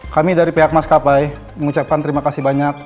kami dari pihak mas kapai mengucapkan terima kasih banyak